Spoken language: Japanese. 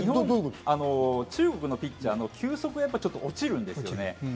中国のピッチャーの球速がちょっと落ちるんですよね。